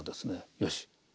「よし。